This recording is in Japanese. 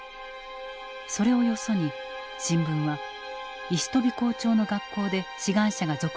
それをよそに新聞は石飛校長の学校で志願者が続出したことを大々的に報じた。